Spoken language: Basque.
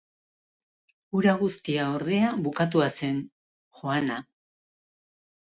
Hura guztia, ordea, bukatua zen, joana.